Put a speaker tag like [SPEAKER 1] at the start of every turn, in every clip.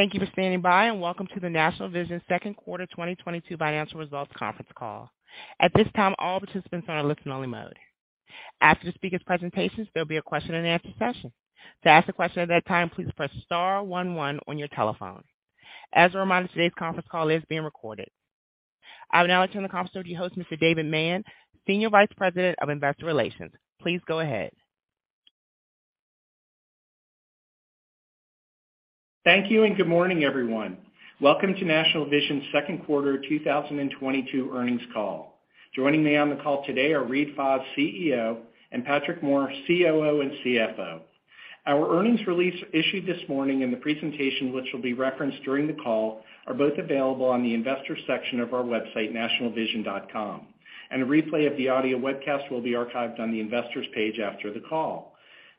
[SPEAKER 1] Thank you for standing by, and welcome to the National Vision second quarter 2022 financial results conference call. At this time, all participants are in a listen only mode. After the speakers' presentations, there'll be a question and answer session. To ask a question at that time, please press star one one on your telephone. As a reminder, today's conference call is being recorded. I would now like to turn the conference over to your host, Mr. David Mann, Senior Vice President of Investor Relations. Please go ahead.
[SPEAKER 2] Thank you and good morning, everyone. Welcome to National Vision's second quarter 2022 earnings call. Joining me on the call today are Reade Fahs, CEO, and Patrick Moore, COO and CFO. Our earnings release issued this morning and the presentation which will be referenced during the call are both available on the investors section of our website, nationalvision.com. A replay of the audio webcast will be archived on the investors page after the call.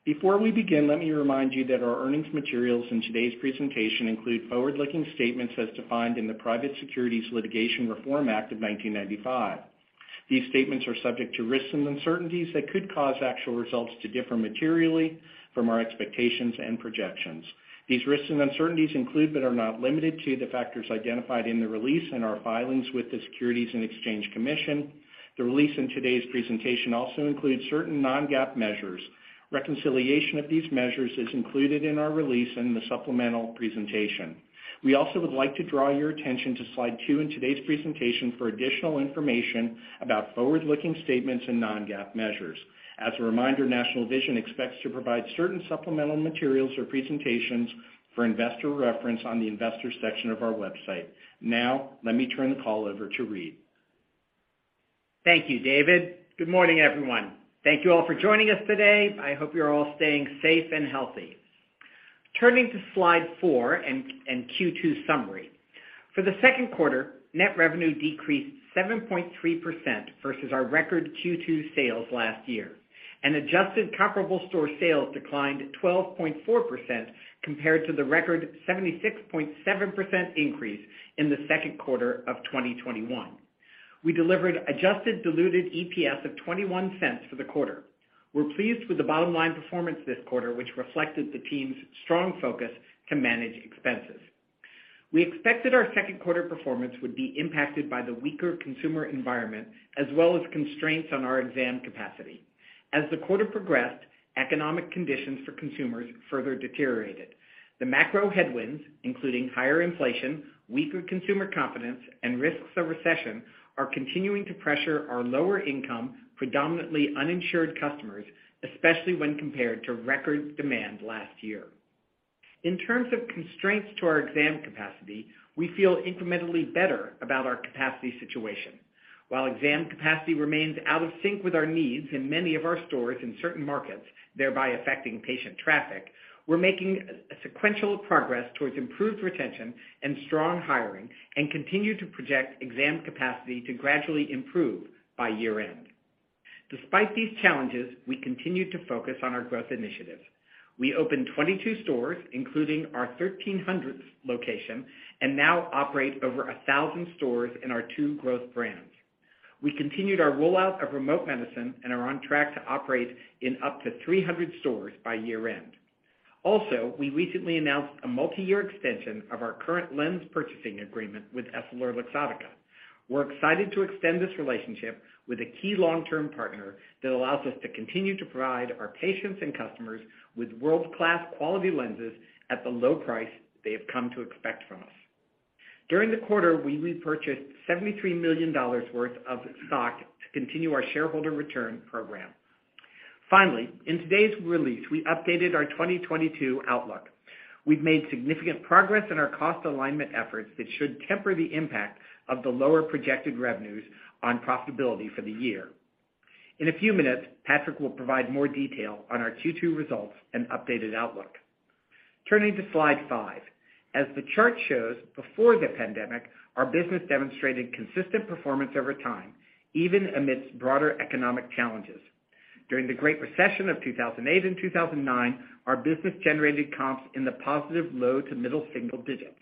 [SPEAKER 2] Before we begin, let me remind you that our earnings materials in today's presentation include forward-looking statements as defined in the Private Securities Litigation Reform Act of 1995. These statements are subject to risks and uncertainties that could cause actual results to differ materially from our expectations and projections. These risks and uncertainties include, but are not limited to, the factors identified in the release in our filings with the Securities and Exchange Commission. The release in today's presentation also includes certain non-GAAP measures. Reconciliation of these measures is included in our release in the supplemental presentation. We also would like to draw your attention to slide two in today's presentation for additional information about forward-looking statements and non-GAAP measures. As a reminder, National Vision expects to provide certain supplemental materials or presentations for investor reference on the investors section of our website. Now, let me turn the call over to Reade.
[SPEAKER 3] Thank you, David. Good morning, everyone. Thank you all for joining us today. I hope you're all staying safe and healthy. Turning to slide four and Q2 summary. For the second quarter, net revenue decreased 7.3% versus our record Q2 sales last year, and adjusted comparable store sales declined 12.4% compared to the record 76.7% increase in the second quarter of 2021. We delivered adjusted diluted EPS of $0.21 for the quarter. We're pleased with the bottom line performance this quarter, which reflected the team's strong focus to manage expenses. We expected our second quarter performance would be impacted by the weaker consumer environment as well as constraints on our exam capacity. As the quarter progressed, economic conditions for consumers further deteriorated. The macro headwinds, including higher inflation, weaker consumer confidence, and risks of recession, are continuing to pressure our lower income, predominantly uninsured customers, especially when compared to record demand last year. In terms of constraints to our exam capacity, we feel incrementally better about our capacity situation. While exam capacity remains out of sync with our needs in many of our stores in certain markets, thereby affecting patient traffic, we're making a sequential progress towards improved retention and strong hiring and continue to project exam capacity to gradually improve by year-end. Despite these challenges, we continue to focus on our growth initiatives. We opened 22 stores, including our 1,300th location, and now operate over 1,000 stores in our two growth brands. We continued our rollout of remote medicine and are on track to operate in up to 300 stores by year-end. Also, we recently announced a multiyear extension of our current lens purchasing agreement with EssilorLuxottica. We're excited to extend this relationship with a key long-term partner that allows us to continue to provide our patients and customers with world-class quality lenses at the low price they have come to expect from us. During the quarter, we repurchased $73 million worth of stock to continue our shareholder return program. Finally, in today's release, we updated our 2022 outlook. We've made significant progress in our cost alignment efforts that should temper the impact of the lower projected revenues on profitability for the year. In a few minutes, Patrick will provide more detail on our Q2 results and updated outlook. Turning to slide 5. As the chart shows, before the pandemic, our business demonstrated consistent performance over time, even amidst broader economic challenges. During the Great Recession of 2008 and 2009, our business generated comps in the positive low to middle single digits.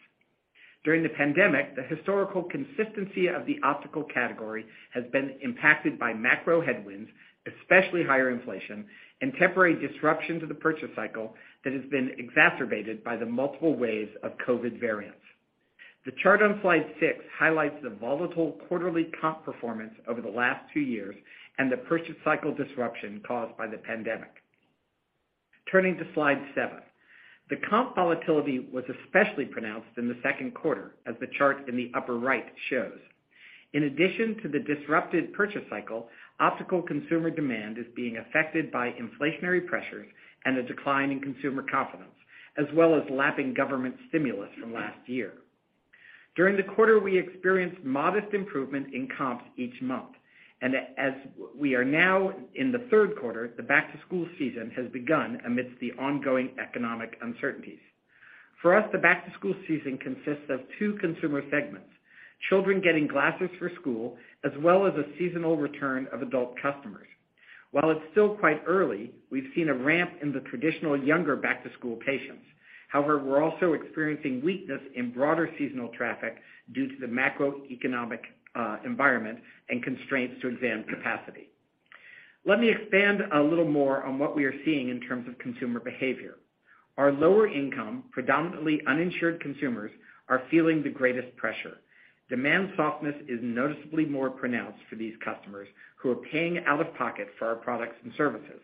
[SPEAKER 3] During the pandemic, the historical consistency of the optical category has been impacted by macro headwinds, especially higher inflation and temporary disruptions of the purchase cycle that has been exacerbated by the multiple waves of COVID-19 variants. The chart on slide 6 highlights the volatile quarterly comp performance over the last 2 years and the purchase cycle disruption caused by the pandemic. Turning to slide 7. The comp volatility was especially pronounced in the second quarter, as the chart in the upper right shows. In addition to the disrupted purchase cycle, optical consumer demand is being affected by inflationary pressures and a decline in consumer confidence, as well as lapping government stimulus from last year. During the quarter, we experienced modest improvement in comps each month. As we are now in the third quarter, the back to school season has begun amidst the ongoing economic uncertainties. For us, the back to school season consists of two consumer segments, children getting glasses for school, as well as a seasonal return of adult customers. While it's still quite early, we've seen a ramp in the traditional younger back to school patients. However, we're also experiencing weakness in broader seasonal traffic due to the macroeconomic environment and constraints to exam capacity. Let me expand a little more on what we are seeing in terms of consumer behavior. Our lower income, predominantly uninsured consumers, are feeling the greatest pressure. Demand softness is noticeably more pronounced for these customers who are paying out of pocket for our products and services.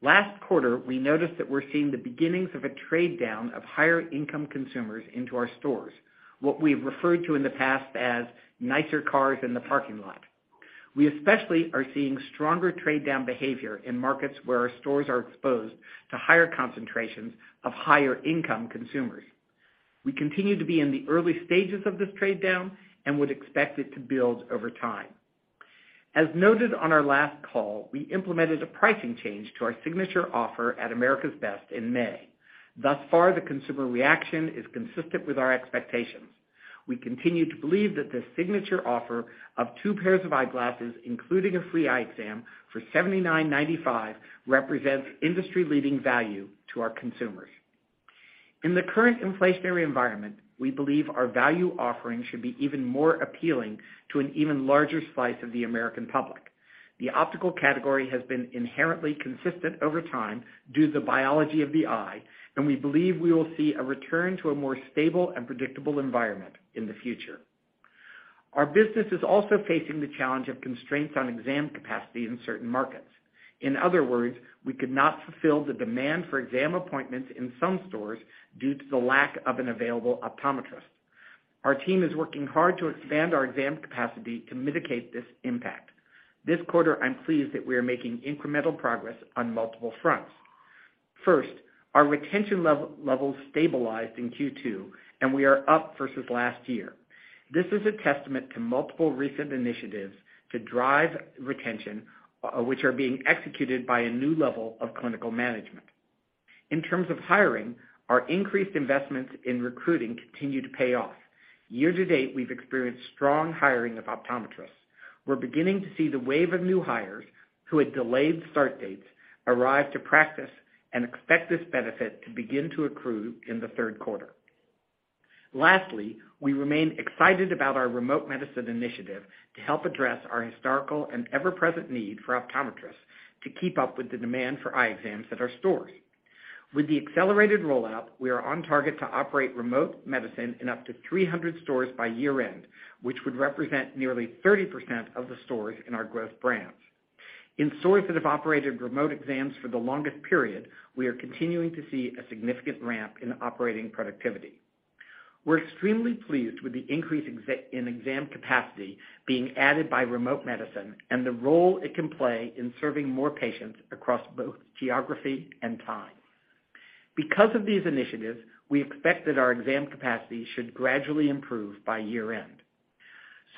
[SPEAKER 3] Last quarter, we noticed that we're seeing the beginnings of a trade down of higher income consumers into our stores, what we have referred to in the past as nicer cars in the parking lot. We especially are seeing stronger trade down behavior in markets where our stores are exposed to higher concentrations of higher income consumers. We continue to be in the early stages of this trade down, and would expect it to build over time. As noted on our last call, we implemented a pricing change to our signature offer at America's Best in May. Thus far, the consumer reaction is consistent with our expectations. We continue to believe that the signature offer of two pairs of eyeglasses, including a free eye exam for $79.95, represents industry-leading value to our consumers. In the current inflationary environment, we believe our value offering should be even more appealing to an even larger slice of the American public. The optical category has been inherently consistent over time due to the biology of the eye, and we believe we will see a return to a more stable and predictable environment in the future. Our business is also facing the challenge of constraints on exam capacity in certain markets. In other words, we could not fulfill the demand for exam appointments in some stores due to the lack of an available optometrist. Our team is working hard to expand our exam capacity to mitigate this impact. This quarter, I'm pleased that we are making incremental progress on multiple fronts. First, our retention level stabilized in Q2, and we are up versus last year. This is a testament to multiple recent initiatives to drive retention, which are being executed by a new level of clinical management. In terms of hiring, our increased investments in recruiting continue to pay off. Year to date, we've experienced strong hiring of optometrists. We're beginning to see the wave of new hires who had delayed start dates arrive to practice and expect this benefit to begin to accrue in the third quarter. Lastly, we remain excited about our remote medicine initiative to help address our historical and ever-present need for optometrists to keep up with the demand for eye exams at our stores. With the accelerated rollout, we are on target to operate remote medicine in up to 300 stores by year-end, which would represent nearly 30% of the stores in our growth brands. In stores that have operated remote exams for the longest period, we are continuing to see a significant ramp in operating productivity. We're extremely pleased with the increase in exam capacity being added by remote medicine and the role it can play in serving more patients across both geography and time. Because of these initiatives, we expect that our exam capacity should gradually improve by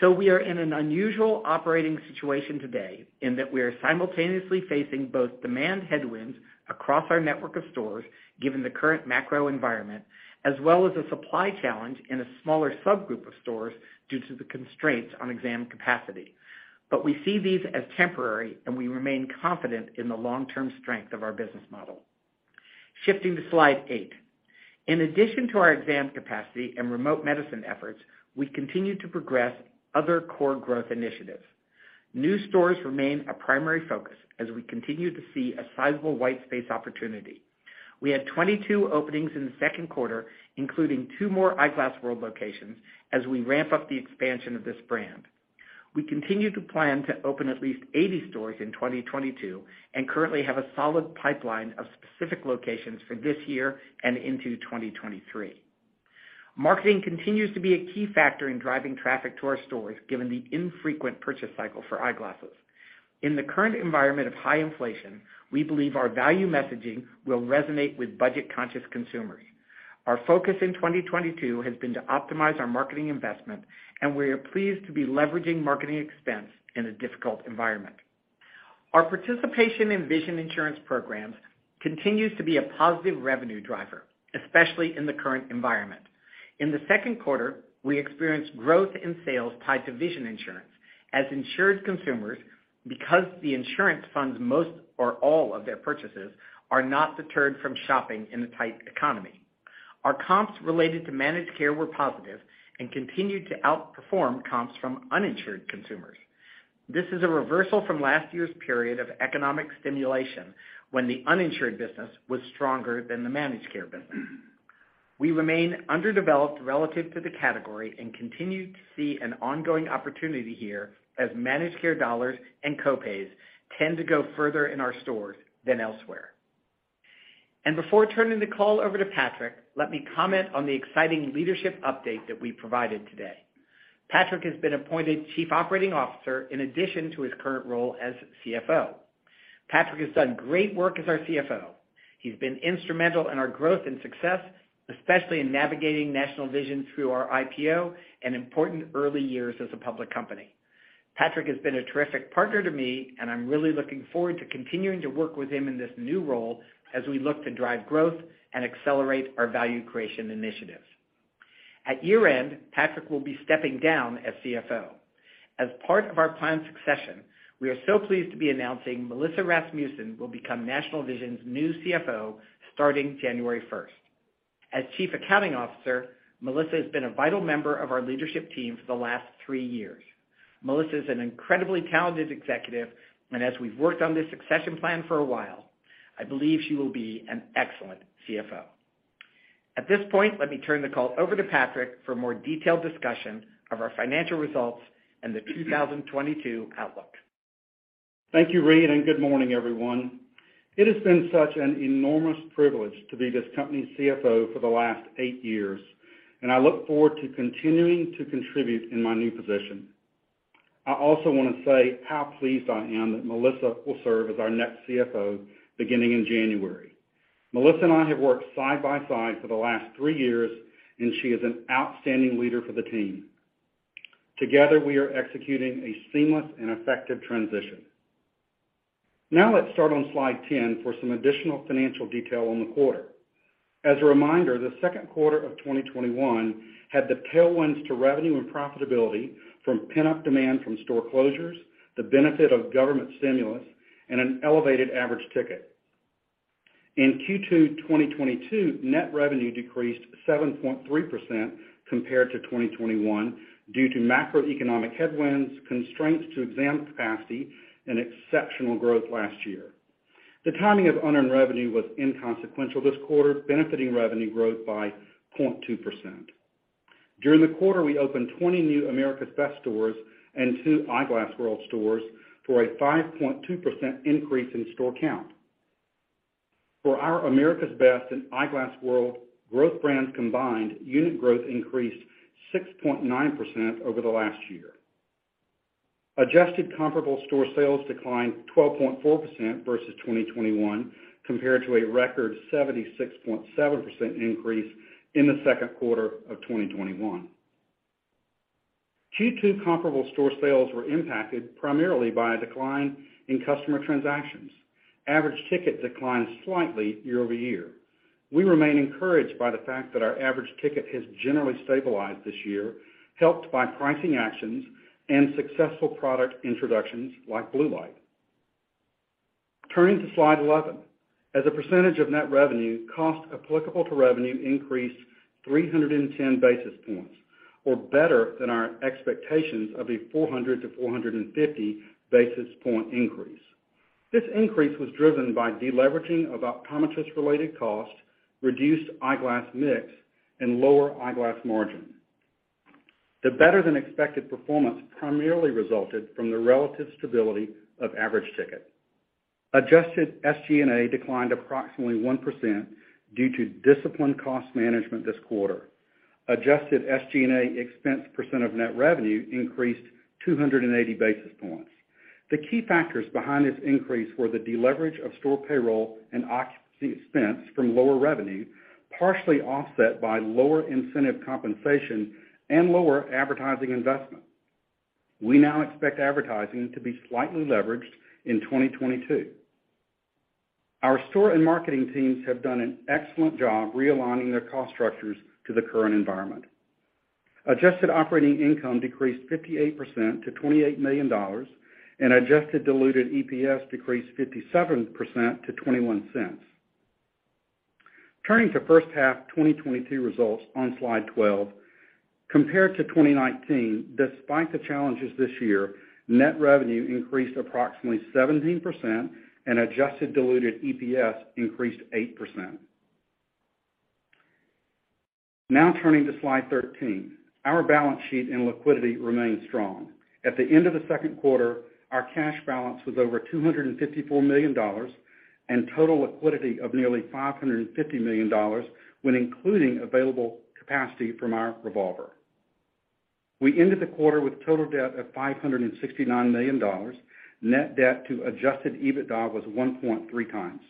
[SPEAKER 3] year-end. We are in an unusual operating situation today in that we are simultaneously facing both demand headwinds across our network of stores, given the current macro environment, as well as a supply challenge in a smaller subgroup of stores due to the constraints on exam capacity. We see these as temporary, and we remain confident in the long-term strength of our business model. Shifting to slide eight. In addition to our exam capacity and remote medicine efforts, we continue to progress other core growth initiatives. New stores remain a primary focus as we continue to see a sizable white space opportunity. We had 22 openings in the second quarter, including two more Eyeglass World locations as we ramp up the expansion of this brand. We continue to plan to open at least 80 stores in 2022, and currently have a solid pipeline of specific locations for this year and into 2023. Marketing continues to be a key factor in driving traffic to our stores, given the infrequent purchase cycle for eyeglasses. In the current environment of high inflation, we believe our value messaging will resonate with budget-conscious consumers. Our focus in 2022 has been to optimize our marketing investment, and we are pleased to be leveraging marketing expense in a difficult environment. Our participation in vision insurance programs continues to be a positive revenue driver, especially in the current environment. In the second quarter, we experienced growth in sales tied to vision insurance as insured consumers, because the insurance funds most or all of their purchases, are not deterred from shopping in a tight economy. Our comps related to managed care were positive and continued to outperform comps from uninsured consumers. This is a reversal from last year's period of economic stimulation when the uninsured business was stronger than the managed care business. We remain underdeveloped relative to the category and continue to see an ongoing opportunity here as managed care dollars and co-pays tend to go further in our stores than elsewhere. Before turning the call over to Patrick, let me comment on the exciting leadership update that we provided today. Patrick has been appointed Chief Operating Officer in addition to his current role as CFO. Patrick has done great work as our CFO. He's been instrumental in our growth and success, especially in navigating National Vision through our IPO and important early years as a public company. Patrick has been a terrific partner to me, and I'm really looking forward to continuing to work with him in this new role as we look to drive growth and accelerate our value creation initiatives. At year-end, Patrick will be stepping down as CFO. As part of our planned succession, we are so pleased to be announcing Melissa Rasmussen will become National Vision's new CFO starting January first. As Chief Accounting Officer, Melissa has been a vital member of our leadership team for the last three years. Melissa is an incredibly talented executive, and as we've worked on this succession plan for a while, I believe she will be an excellent CFO. At this point, let me turn the call over to Patrick for a more detailed discussion of our financial results and the 2022 outlook.
[SPEAKER 4] Thank you, Reade, and good morning, everyone. It has been such an enormous privilege to be this company's CFO for the last eight years, and I look forward to continuing to contribute in my new position. I also wanna say how pleased I am that Melissa will serve as our next CFO beginning in January. Melissa and I have worked side by side for the last three years, and she is an outstanding leader for the team. Together, we are executing a seamless and effective transition. Now let's start on slide 10 for some additional financial detail on the quarter. As a reminder, the second quarter of 2021 had the tailwinds to revenue and profitability from pent-up demand from store closures, the benefit of government stimulus, and an elevated average ticket. In Q2 2022, net revenue decreased 7.3% compared to 2021 due to macroeconomic headwinds, constraints to exam capacity, and exceptional growth last year. The timing of unearned revenue was inconsequential this quarter, benefiting revenue growth by 0.2%. During the quarter, we opened 20 new America's Best stores and two Eyeglass World stores for a 5.2% increase in store count. For our America's Best and Eyeglass World growth brands combined, unit growth increased 6.9% over the last year. Adjusted comparable store sales declined 12.4% versus 2021 compared to a record 76.7% increase in the second quarter of 2021. Q2 comparable store sales were impacted primarily by a decline in customer transactions. Average ticket declined slightly year-over-year. We remain encouraged by the fact that our average ticket has generally stabilized this year, helped by pricing actions and successful product introductions like Blue Light. Turning to slide 11. As a percentage of net revenue, costs applicable to revenue increased 310 basis points or better than our expectations of a 400 basis points to 450 basis point increase. This increase was driven by deleveraging of optometrist-related costs, reduced eyeglass mix, and lower eyeglass margin. The better-than-expected performance primarily resulted from the relative stability of average ticket. Adjusted SG&A declined approximately 1% due to disciplined cost management this quarter. Adjusted SG&A expense percent of net revenue increased 280 basis points. The key factors behind this increase were the deleverage of store payroll and occupancy expense from lower revenue, partially offset by lower incentive compensation and lower advertising investment. We now expect advertising to be slightly leveraged in 2022. Our store and marketing teams have done an excellent job realigning their cost structures to the current environment. Adjusted operating income decreased 58% to $28 million and adjusted diluted EPS decreased 57% to $0.21. Turning to first half 2022 results on slide 12. Compared to 2019, despite the challenges this year, net revenue increased approximately 17% and adjusted diluted EPS increased 8%. Now turning to slide 13. Our balance sheet and liquidity remain strong. At the end of the second quarter, our cash balance was over $254 million and total liquidity of nearly $550 million when including available capacity from our revolver. We ended the quarter with total debt of $569 million. Net debt to adjusted EBITDA was 1.3x.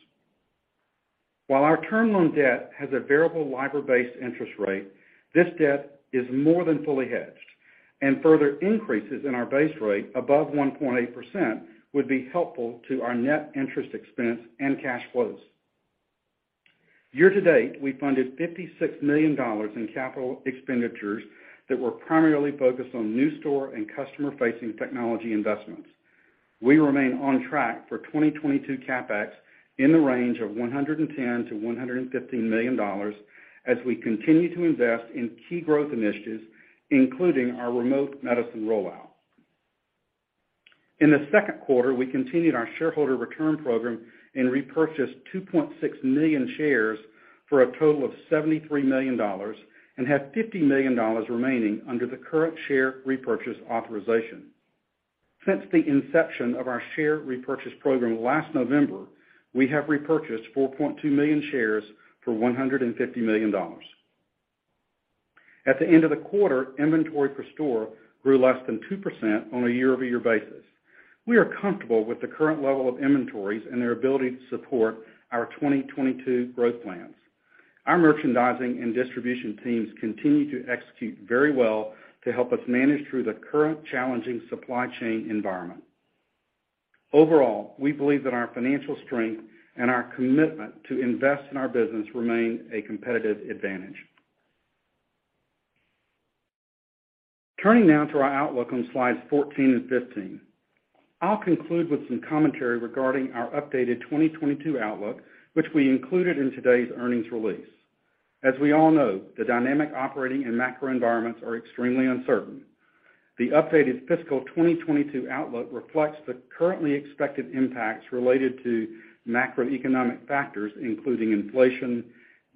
[SPEAKER 4] While our term loan debt has a variable LIBOR-based interest rate, this debt is more than fully hedged and further increases in our base rate above 1.8% would be helpful to our net interest expense and cash flows. Year to date, we funded $56 million in capital expenditures that were primarily focused on new store and customer-facing technology investments. We remain on track for 2022 CapEx in the range of $110 million-$150 million as we continue to invest in key growth initiatives, including our remote medicine rollout. In the second quarter, we continued our shareholder return program and repurchased 2.6 million shares for a total of $73 million and have $50 million remaining under the current share repurchase authorization. Since the inception of our share repurchase program last November, we have repurchased 4.2 million shares for $150 million. At the end of the quarter, inventory per store grew less than 2% on a year-over-year basis. We are comfortable with the current level of inventories and their ability to support our 2022 growth plans. Our merchandising and distribution teams continue to execute very well to help us manage through the current challenging supply chain environment. Overall, we believe that our financial strength and our commitment to invest in our business remain a competitive advantage. Turning now to our outlook on Slides 14 and 15. I'll conclude with some commentary regarding our updated 2022 outlook, which we included in today's earnings release. As we all know, the dynamic operating and macro environments are extremely uncertain. The updated fiscal 2022 outlook reflects the currently expected impacts related to macroeconomic factors, including inflation,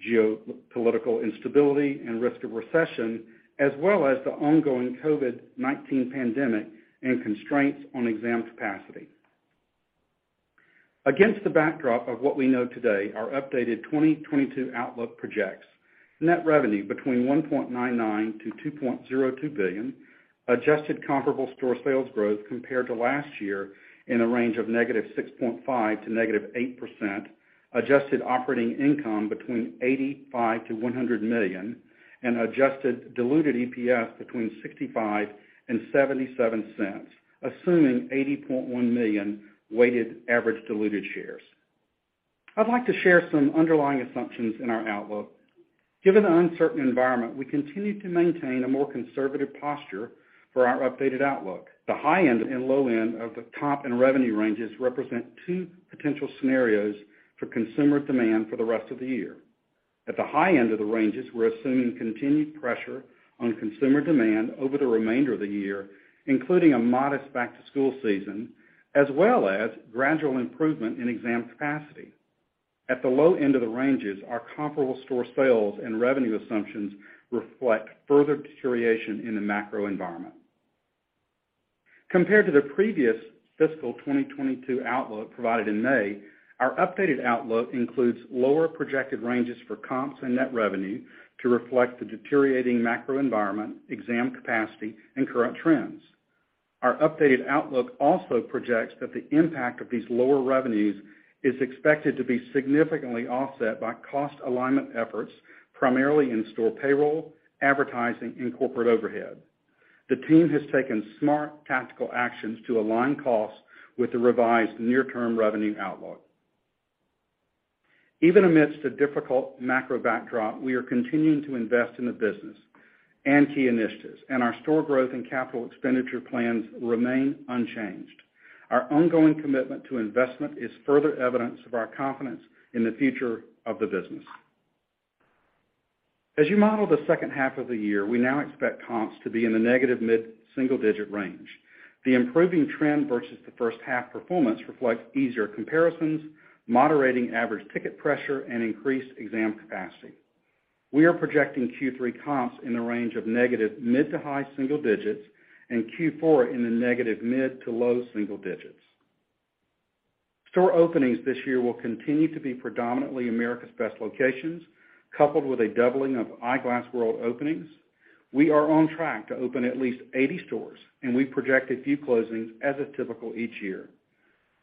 [SPEAKER 4] geopolitical instability and risk of recession, as well as the ongoing COVID-19 pandemic and constraints on exam capacity. Against the backdrop of what we know today, our updated 2022 outlook projects net revenue between $1.99 billion-$2.02 billion, adjusted comparable store sales growth compared to last year in a range of -6.5% to -8%, adjusted operating income between $85 million-$100 million, and adjusted diluted EPS between $0.65 and $0.77, assuming 80.1 million weighted average diluted shares. I'd like to share some underlying assumptions in our outlook. Given the uncertain environment, we continue to maintain a more conservative posture for our updated outlook. The high end and low end of the top end revenue ranges represent two potential scenarios for consumer demand for the rest of the year. At the high end of the ranges, we're assuming continued pressure on consumer demand over the remainder of the year, including a modest back-to-school season, as well as gradual improvement in exam capacity. At the low end of the ranges, our comparable store sales and revenue assumptions reflect further deterioration in the macro environment. Compared to the previous fiscal 2022 outlook provided in May, our updated outlook includes lower projected ranges for comps and net revenue to reflect the deteriorating macro environment, exam capacity, and current trends. Our updated outlook also projects that the impact of these lower revenues is expected to be significantly offset by cost alignment efforts, primarily in store payroll, advertising, and corporate overhead. The team has taken smart tactical actions to align costs with the revised near-term revenue outlook. Even amidst a difficult macro backdrop, we are continuing to invest in the business and key initiatives, and our store growth and capital expenditure plans remain unchanged. Our ongoing commitment to investment is further evidence of our confidence in the future of the business. As you model the second half of the year, we now expect comps to be in the negative mid-single digit range. The improving trend versus the first half performance reflects easier comparisons, moderating average ticket pressure, and increased exam capacity. We are projecting Q3 comps in the range of negative mid to high single digits and Q4 in the negative mid to low single digits. Store openings this year will continue to be predominantly America's Best locations, coupled with a doubling of Eyeglass World openings. We are on track to open at least 80 stores, and we project a few closings as is typical each year.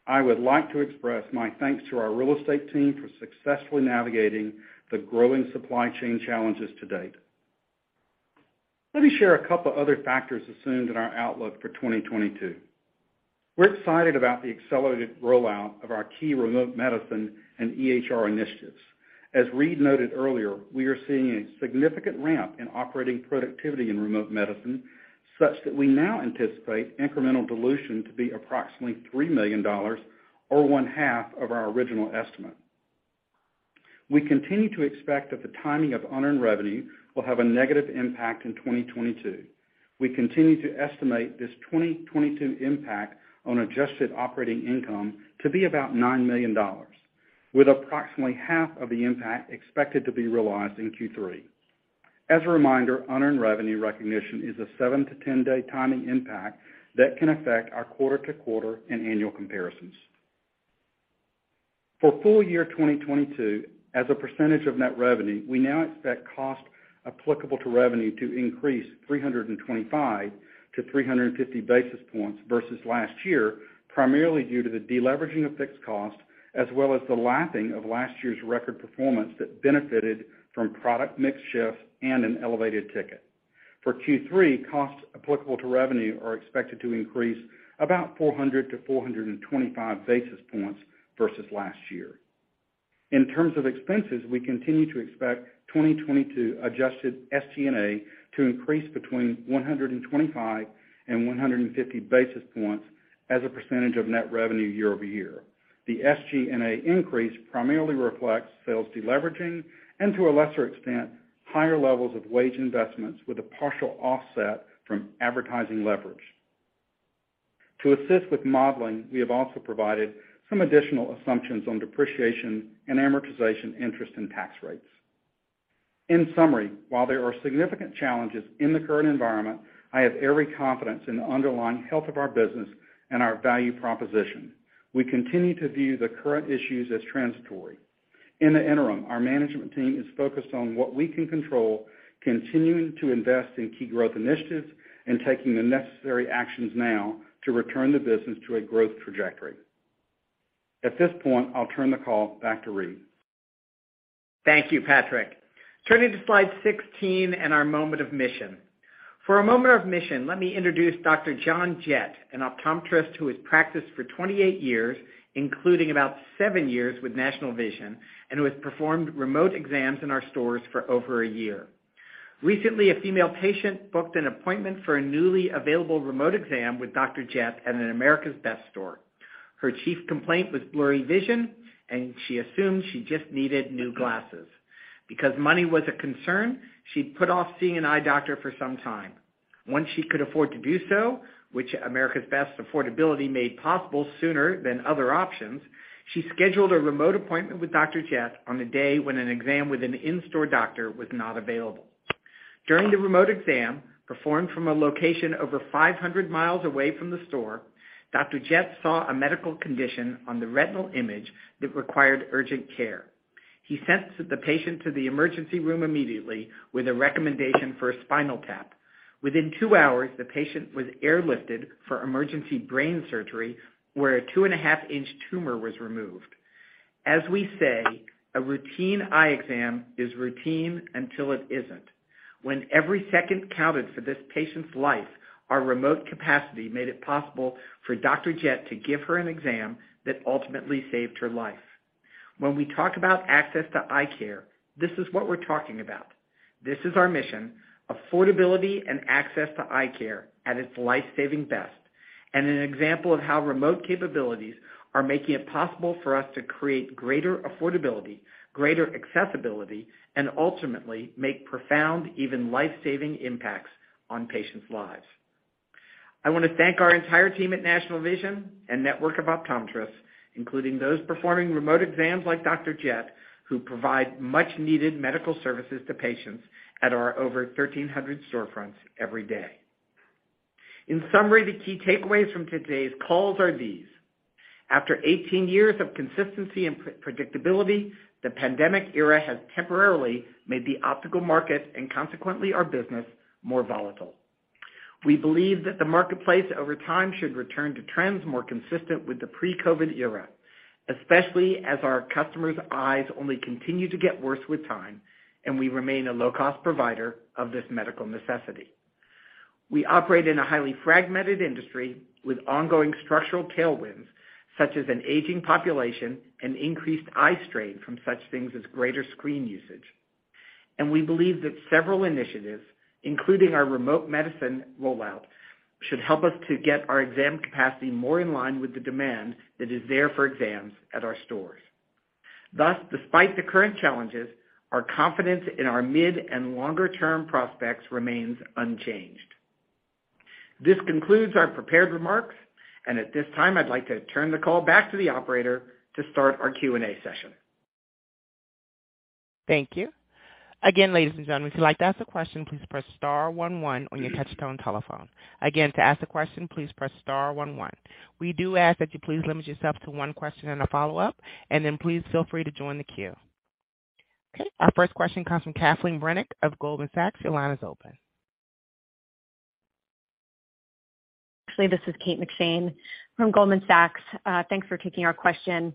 [SPEAKER 4] I would like to express my thanks to our real estate team for successfully navigating the growing supply chain challenges to date. Let me share a couple other factors assumed in our outlook for 2022. We're excited about the accelerated rollout of our key remote medicine and EHR initiatives. As Reade noted earlier, we are seeing a significant ramp in operating productivity in remote medicine, such that we now anticipate incremental dilution to be approximately $3 million or one-half of our original estimate. We continue to expect that the timing of unearned revenue will have a negative impact in 2022. We continue to estimate this 2022 impact on adjusted operating income to be about $9 million, with approximately half of the impact expected to be realized in Q3. As a reminder, unearned revenue recognition is a seven to 10-day timing impact that can affect our quarter-to-quarter and annual comparisons. For full-year 2022, as a percentage of net revenue, we now expect cost applicable to revenue to increase 325 basis points to 350 basis points versus last year, primarily due to the deleveraging of fixed costs as well as the lapping of last year's record performance that benefited from product mix shift and an elevated ticket. For Q3, costs applicable to revenue are expected to increase about 400 basis points to 425 basis points versus last year. In terms of expenses, we continue to expect 2022 adjusted SG&A to increase between 125 basis points and 150 basis points as a percentage of net revenue year-over-year. The SG&A increase primarily reflects sales deleveraging and, to a lesser extent, higher levels of wage investments with a partial offset from advertising leverage. To assist with modeling, we have also provided some additional assumptions on depreciation and amortization interest and tax rates. In summary, while there are significant challenges in the current environment, I have every confidence in the underlying health of our business and our value proposition. We continue to view the current issues as transitory. In the interim, our management team is focused on what we can control, continuing to invest in key growth initiatives and taking the necessary actions now to return the business to a growth trajectory. At this point, I'll turn the call back to Reade.
[SPEAKER 3] Thank you, Patrick. Turning to Slide 16 and our moment of mission. For a moment of mission, let me introduce Dr. John Jett, an optometrist who has practiced for 28 years, including about seven years with National Vision, and who has performed remote exams in our stores for over a year. Recently, a female patient booked an appointment for a newly available remote exam with Dr. John Jett at an America's Best store. Her chief complaint was blurry vision, and she assumed she just needed new glasses. Because money was a concern, she'd put off seeing an eye doctor for some time. Once she could afford to do so, which America's Best affordability made possible sooner than other options, she scheduled a remote appointment with Dr. John Jett on a day when an exam with an in-store doctor was not available. During the remote exam, performed from a location over 500 mi away from the store, Dr. Jett saw a medical condition on the retinal image that required urgent care. He sent the patient to the emergency room immediately with a recommendation for a spinal tap. Within two hours, the patient was airlifted for emergency brain surgery, where a 2.5 inch tumor was removed. As we say, a routine eye exam is routine until it isn't. When every second counted for this patient's life, our remote capacity made it possible for Dr. Jett to give her an exam that ultimately saved her life. When we talk about access to eye care, this is what we're talking about. This is our mission, affordability and access to eye care at its life-saving best, and an example of how remote capabilities are making it possible for us to create greater affordability, greater accessibility, and ultimately make profound, even life-saving impacts on patients' lives. I want to thank our entire team at National Vision and network of optometrists, including those performing remote exams like Dr. Jett, who provide much needed medical services to patients at our over 1,300 storefronts every day. In summary, the key takeaways from today's calls are these, after 18 years of consistency and predictability, the pandemic era has temporarily made the optical market, and consequently our business, more volatile. We believe that the marketplace over time should return to trends more consistent with the pre-COVID era, especially as our customers' eyes only continue to get worse with time, and we remain a low-cost provider of this medical necessity. We operate in a highly fragmented industry with ongoing structural tailwinds, such as an aging population and increased eye strain from such things as greater screen usage. We believe that several initiatives, including our remote medicine rollout, should help us to get our exam capacity more in line with the demand that is there for exams at our stores. Thus, despite the current challenges, our confidence in our mid and longer term prospects remains unchanged. This concludes our prepared remarks, and at this time, I'd like to turn the call back to the operator to start our Q&A session.
[SPEAKER 1] Thank you. Again, ladies and gentlemen, if you'd like to ask a question, please press star one one on your touch tone telephone. Again, to ask a question, please press star one one. We do ask that you please limit yourself to one question and a follow-up, and then please feel free to join the queue. Okay, our first question comes from Katharine McShane of Goldman Sachs. Your line is open.
[SPEAKER 5] Actually, this is Kate McShane from Goldman Sachs. Thanks for taking our question.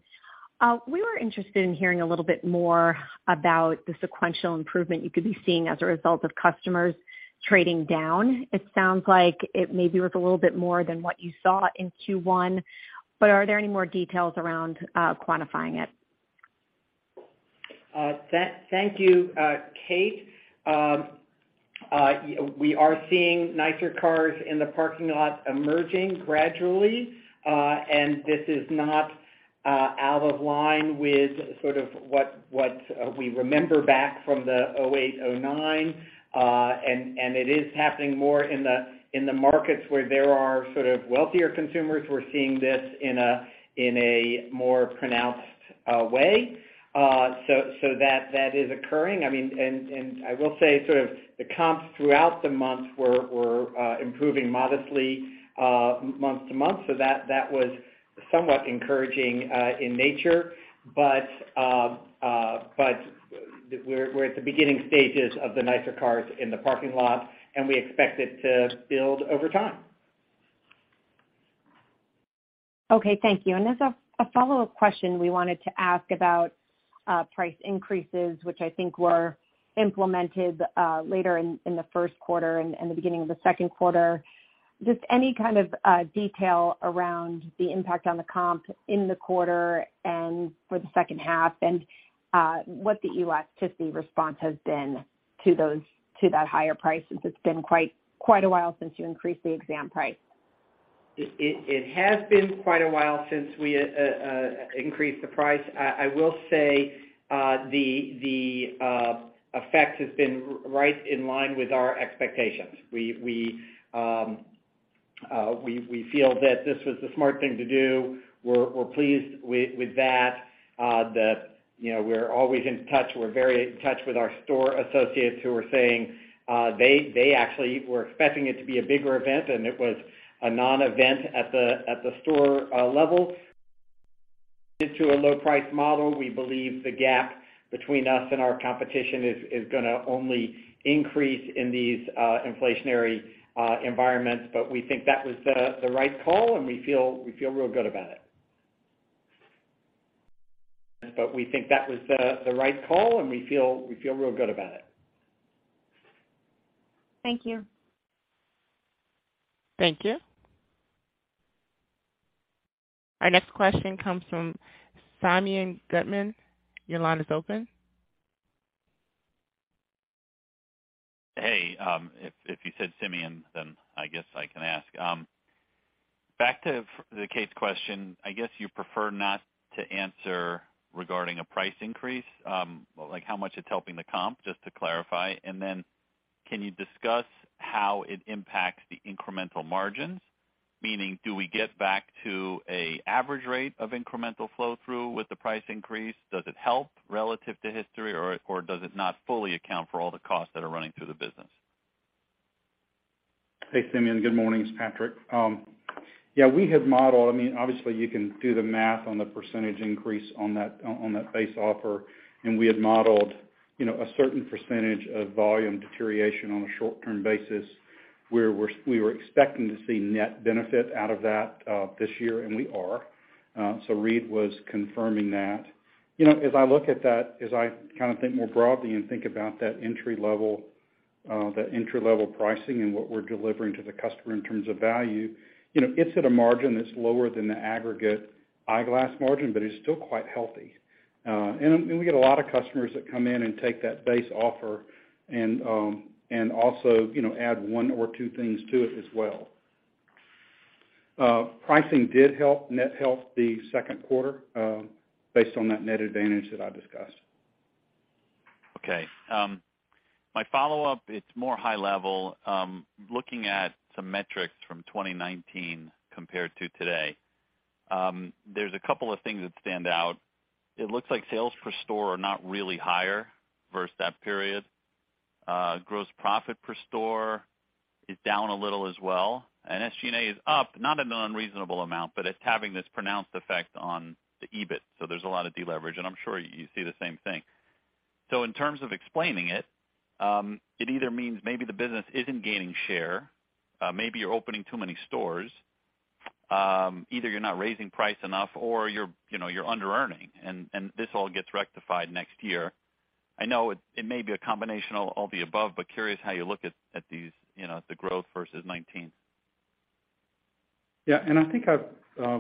[SPEAKER 5] We were interested in hearing a little bit more about the sequential improvement you could be seeing as a result of customers trading down. It sounds like it maybe was a little bit more than what you saw in Q1, but are there any more details around quantifying it?
[SPEAKER 3] Thank you, Kate. We are seeing nicer cars in the parking lot emerging gradually, and this is not out of line with sort of what we remember back from the 2008, 2009, and it is happening more in the markets where there are sort of wealthier consumers who are seeing this in a more pronounced way. That is occurring. I mean, I will say sort of the comps throughout the month were improving modestly month-to-month, so that was somewhat encouraging in nature. We're at the beginning stages of the nicer cars in the parking lot, and we expect it to build over time.
[SPEAKER 5] Okay, thank you. As a follow-up question, we wanted to ask about price increases, which I think were implemented later in the first quarter and the beginning of the second quarter. Just any kind of detail around the impact on the comp in the quarter and for the second half and what the elasticity response has been to those, to that higher price, since it's been quite a while since you increased the exam price.
[SPEAKER 3] It has been quite a while since we increased the price. I will say the effect has been right in line with our expectations. We feel that this was the smart thing to do. We're pleased with that, you know, we're always in touch. We're very in touch with our store associates who are saying they actually were expecting it to be a bigger event and it was a non-event at the store level. Into a low price model, we believe the gap between us and our competition is gonna only increase in these inflationary environments. We think that was the right call, and we feel real good about it. We think that was the right call, and we feel real good about it.
[SPEAKER 5] Thank you.
[SPEAKER 1] Thank you. Our next question comes from Simeon Gutman. Your line is open.
[SPEAKER 6] Hey, if you said Simeon, then I guess I can ask. Back to the Kate's question. I guess you prefer not to answer regarding a price increase, like how much it's helping the comp, just to clarify. Then can you discuss how it impacts the incremental margins? Meaning, do we get back to a average rate of incremental flow through with the price increase? Does it help relative to history or does it not fully account for all the costs that are running through the business?
[SPEAKER 4] Hey, Simeon. Good morning. It's Patrick. Yeah, I mean, obviously you can do the math on the percentage increase on that, on that base offer, and we have modeled, you know, a certain percentage of volume deterioration on a short-term basis, where we were expecting to see net benefit out of that, this year, and we are. Reade was confirming that. You know, as I look at that, as I kind of think more broadly and think about that entry-level pricing and what we're delivering to the customer in terms of value, you know, it's at a margin that's lower than the aggregate eyeglass margin, but it's still quite healthy. We get a lot of customers that come in and take that base offer and also, you know, add one or two things to it as well. Pricing did net help the second quarter based on that net advantage that I discussed.
[SPEAKER 6] Okay. My follow-up, it's more high level. Looking at some metrics from 2019 compared to today, there's a couple of things that stand out. It looks like sales per store are not really higher versus that period. Gross profit per store is down a little as well. SG&A is up, not an unreasonable amount, but it's having this pronounced effect on the EBIT. There's a lot of deleverage, and I'm sure you see the same thing. In terms of explaining it either means maybe the business isn't gaining share, maybe you're opening too many stores, either you're not raising price enough or you're, you know, you're under-earning and this all gets rectified next year. I know it may be a combination of all the above, but curious how you look at these, you know, the growth versus 2019.
[SPEAKER 4] Yeah, I think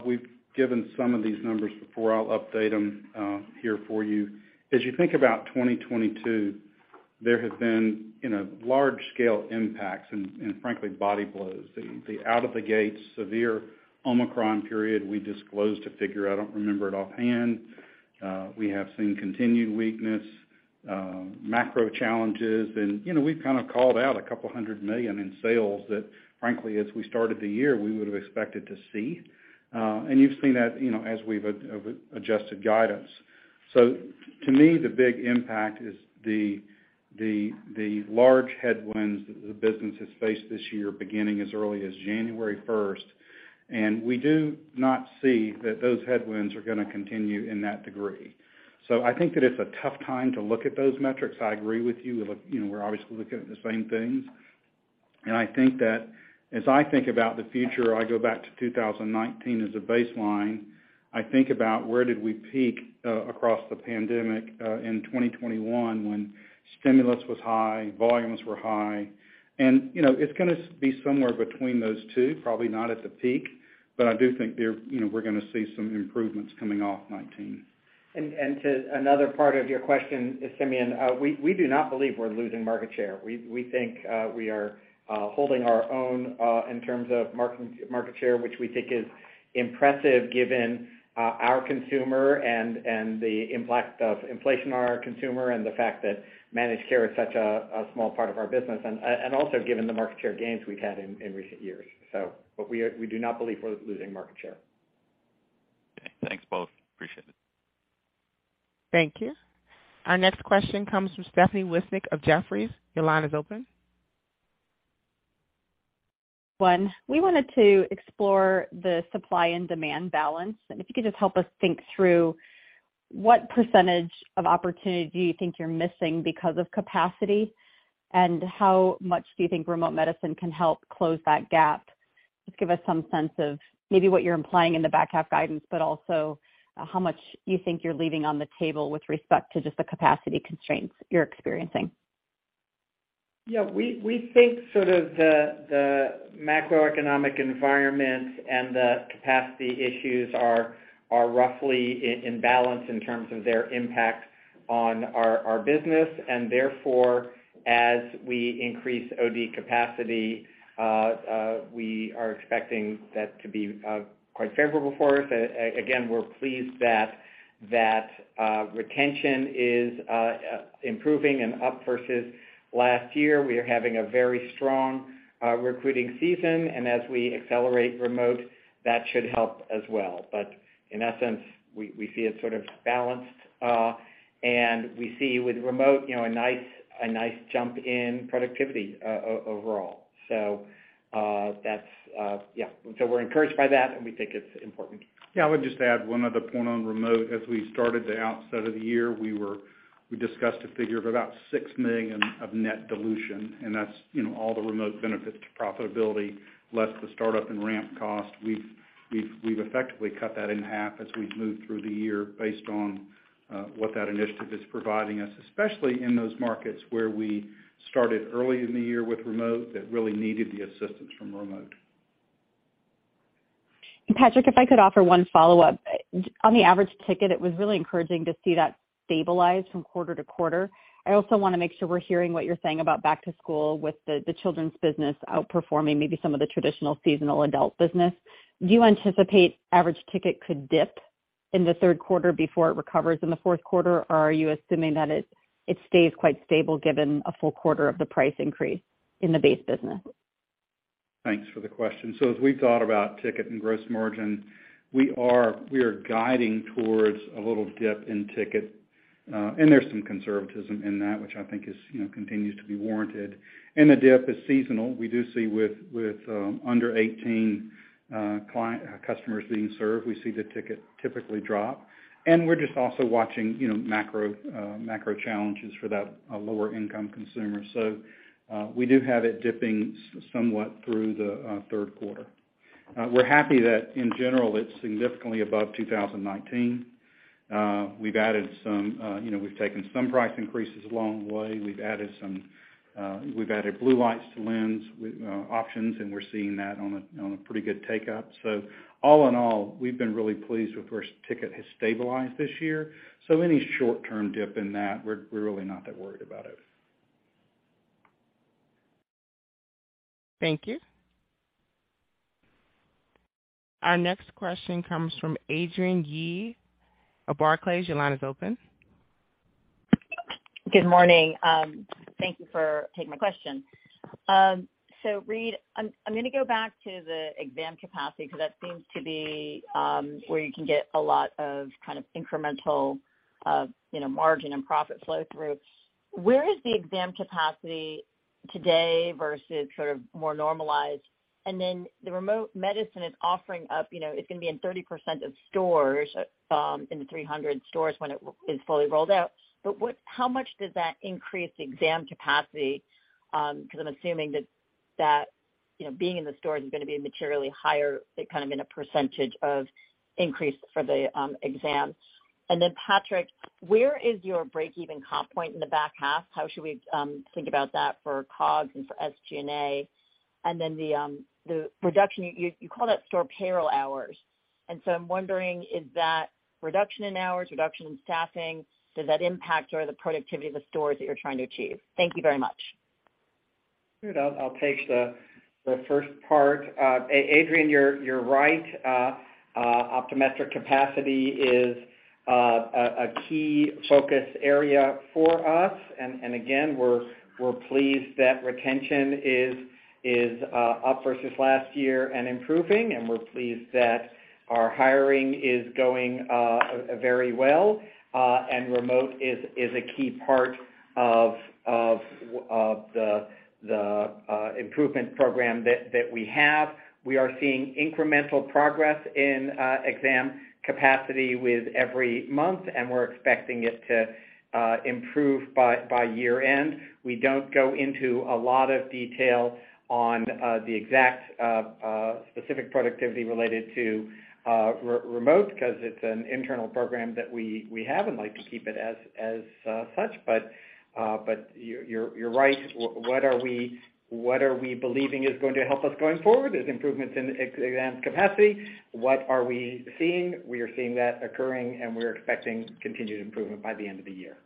[SPEAKER 4] we've given some of these numbers before. I'll update them here for you. As you think about 2022, there have been, you know, large scale impacts and frankly, body blows. The out of the gate severe Omicron period, we disclosed a figure. I don't remember it offhand. We have seen continued weakness, macro challenges and, you know, we've kind of called out $200 million in sales that frankly, as we started the year, we would have expected to see. You've seen that, you know, as we've adjusted guidance. To me, the big impact is the large headwinds that the business has faced this year, beginning as early as January first. We do not see that those headwinds are gonna continue in that degree. I think that it's a tough time to look at those metrics. I agree with you. Look, you know, we're obviously looking at the same things. I think that as I think about the future, I go back to 2019 as a baseline. I think about where did we peak across the pandemic in 2021 when stimulus was high, volumes were high. You know, it's gonna be somewhere between those two, probably not at the peak, but I do think there, you know, we're gonna see some improvements coming off 2019.
[SPEAKER 3] To another part of your question, Simeon, we do not believe we're losing market share. We think we are holding our own in terms of market share, which we think is impressive given our consumer and the impact of inflation on our consumer and the fact that managed care is such a small part of our business and also given the market share gains we've had in recent years. We do not believe we're losing market share.
[SPEAKER 6] Okay. Thanks both. Appreciate it.
[SPEAKER 1] Thank you. Our next question comes from Steph Wissink of Jefferies. Your line is open.
[SPEAKER 7] 1, we wanted to explore the supply and demand balance, and if you could just help us think through what percentage of opportunity do you think you're missing because of capacity, and how much do you think remote medicine can help close that gap? Just give us some sense of maybe what you're implying in the back half guidance, but also how much you think you're leaving on the table with respect to just the capacity constraints you're experiencing.
[SPEAKER 3] We think sort of the macroeconomic environment and the capacity issues are roughly in balance in terms of their impact on our business, and therefore, as we increase OD capacity, we are expecting that to be quite favorable for us. Again, we're pleased that retention is improving and up versus last year. We are having a very strong recruiting season, and as we accelerate remote, that should help as well. In that sense, we see it sort of balanced, and we see with remote, you know, a nice jump in productivity overall. We're encouraged by that, and we think it's important.
[SPEAKER 4] Yeah. I would just add one other point on remote. At the outset of the year, we discussed a figure of about $6 million of net dilution, and that's, you know, all the remote benefits to profitability, less the start-up and ramp cost. We've effectively cut that in half. As we've moved through the year based on what that initiative is providing us, especially in those markets where we started early in the year with remote that really needed the assistance from remote.
[SPEAKER 7] Patrick, if I could offer one follow-up. On the average ticket, it was really encouraging to see that stabilize from quarter to quarter. I also wanna make sure we're hearing what you're saying about back to school with the children's business outperforming maybe some of the traditional seasonal adult business. Do you anticipate average ticket could dip in the third quarter before it recovers in the fourth quarter? Or are you assuming that it stays quite stable given a full quarter of the price increase in the base business?
[SPEAKER 4] Thanks for the question. As we thought about ticket and gross margin, we are guiding towards a little dip in ticket, and there's some conservatism in that which I think is, you know, continues to be warranted. The dip is seasonal. We do see with under 18 customers being served, we see the ticket typically drop. We're just also watching, you know, macro challenges for that lower income consumer. We do have it dipping somewhat through the third quarter. We're happy that in general, it's significantly above 2019. We've added some, you know, we've taken some price increases along the way. We've added some, we've added Blue Light to lens with options, and we're seeing that on a pretty good take-up. All in all, we've been really pleased with where ticket has stabilized this year. Any short-term dip in that, we're really not that worried about it.
[SPEAKER 1] Thank you. Our next question comes from Adrienne Yih of Barclays. Your line is open.
[SPEAKER 8] Good morning. Thank you for taking my question. Reade Fahs, I'm gonna go back to the exam capacity because that seems to be where you can get a lot of kind of incremental, you know, margin and profit flow through. Where is the exam capacity today versus sort of more normalized? The remote medicine is offering up, you know, it's gonna be in 30% of stores in the 300 stores when it is fully rolled out. How much does that increase exam capacity? Because I'm assuming that, you know, being in the stores is gonna be materially higher, kind of in a percentage of increase for the exam. Patrick Moore, where is your break-even comp point in the back half? How should we think about that for COGS and for SG&A? The reduction you called out store payroll hours. I'm wondering, is that reduction in hours, reduction in staffing, does that impact the productivity of the stores that you're trying to achieve? Thank you very much.
[SPEAKER 3] Sure. I'll take the first part. Adrienne Yih, you're right. Optometric capacity is a key focus area for us. Again, we're pleased that retention is up versus last year and improving, and we're pleased that our hiring is going very well. Remote is a key part of the improvement program that we have. We are seeing incremental progress in exam capacity with every month, and we're expecting it to improve by year-end. We don't go into a lot of detail on the exact specific productivity related to remote because it's an internal program that we have and like to keep it as such. But you're right. What are we believing is going to help us going forward is improvements in exam capacity. What are we seeing? We are seeing that occurring, and we're expecting continued improvement by the end of the year.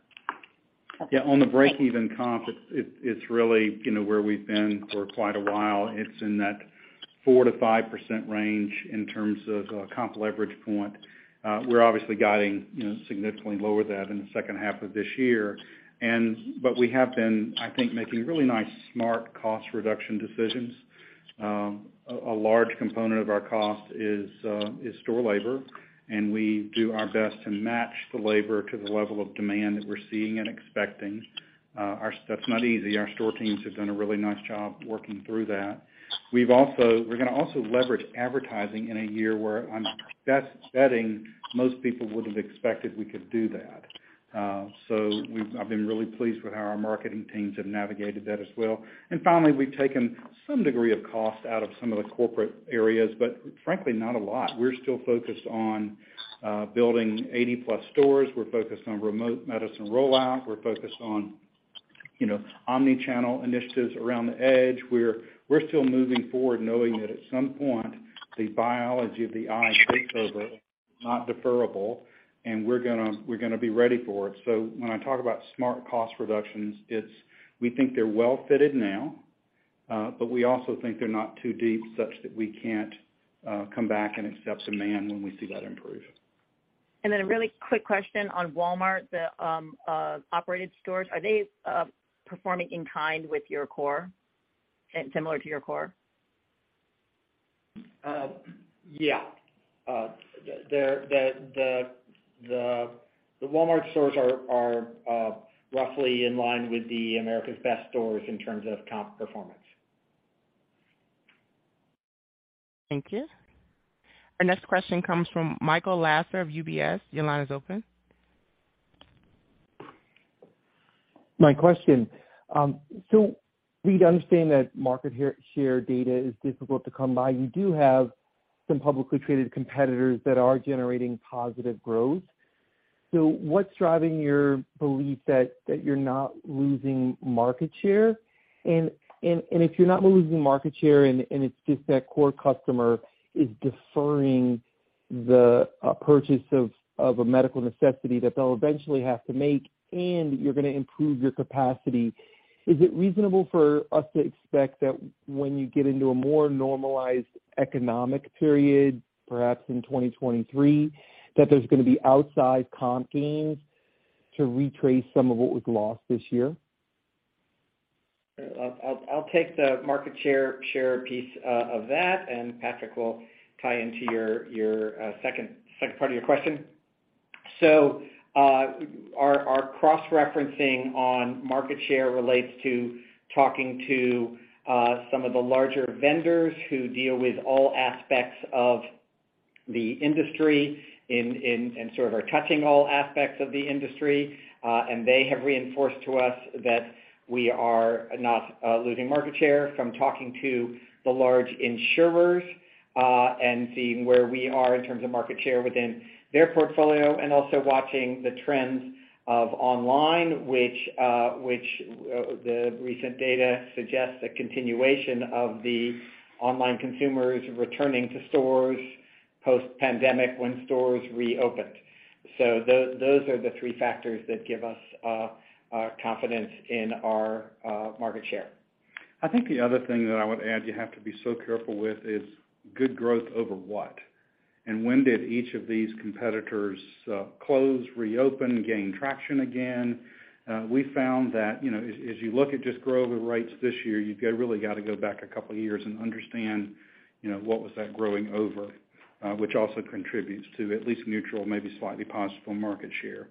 [SPEAKER 8] Thanks.
[SPEAKER 4] Yeah, on the break-even comp, it's really, you know, where we've been for quite a while. It's in that 4%-5% range in terms of comp leverage point. We're obviously guiding, you know, significantly lower than in the second half of this year. We have been, I think, making really nice, smart cost reduction decisions. A large component of our cost is store labor, and we do our best to match the labor to the level of demand that we're seeing and expecting. That's not easy. Our store teams have done a really nice job working through that. We're gonna also leverage advertising in a year where on best bet, most people would have expected we could do that. I've been really pleased with how our marketing teams have navigated that as well. Finally, we've taken some degree of cost out of some of the corporate areas, but frankly, not a lot. We're still focused on building 80+ stores. We're focused on remote medicine rollout. We're focused on, you know, omni-channel initiatives around the edge. We're still moving forward knowing that at some point, the biology of the eye takes over, not deferrable, and we're gonna be ready for it. When I talk about smart cost reductions, it's we think they're well fitted now, but we also think they're not too deep such that we can't come back and accept demand when we see that improve.
[SPEAKER 8] a really quick question on Walmart operated stores. Are they performing in kind with your core? Similar to your core?
[SPEAKER 4] The Walmart stores are roughly in line with the America's Best stores in terms of comp performance.
[SPEAKER 1] Thank you. Our next question comes from Michael Lasser of UBS. Your line is open.
[SPEAKER 9] My question. We'd understand that market share data is difficult to come by. You do have some publicly traded competitors that are generating positive growth. What's driving your belief that you're not losing market share? If you're not losing market share, and it's just that core customer is deferring the purchase of a medical necessity that they'll eventually have to make, and you're gonna improve your capacity, is it reasonable for us to expect that when you get into a more normalized economic period, perhaps in 2023, that there's gonna be outsized comp gains to retrace some of what was lost this year?
[SPEAKER 3] I'll take the market share piece of that, and Patrick will tie into your second part of your question. Our cross-referencing on market share relates to talking to some of the larger vendors who deal with all aspects of the industry and sort of are touching all aspects of the industry. They have reinforced to us that we are not losing market share from talking to the large insurers and seeing where we are in terms of market share within their portfolio, and also watching the trends of online, which the recent data suggests a continuation of the online consumers returning to stores post-pandemic when stores reopened. Those are the three factors that give us confidence in our market share.
[SPEAKER 4] I think the other thing that I would add you have to be so careful with is good growth over what, and when did each of these competitors close, reopen, gain traction again. We found that, you know, as you look at just growth rates this year, you really got to go back a couple of years and understand, you know, what was that growing over, which also contributes to at least neutral, maybe slightly positive market share.